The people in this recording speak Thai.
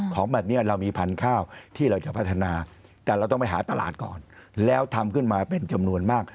ของแบบนี้เรามีพันธุ์ข้าวที่เราจะพัฒนาแต่เราต้องไปหาตลาดก่อนแล้วทำขึ้นมาเป็นจำนวนมาก